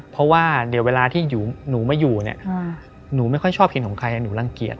เพราะว่าเดี๋ยวเวลาที่หนูมาอยู่เนี่ยหนูไม่ค่อยชอบกินของใครหนูรังเกียจ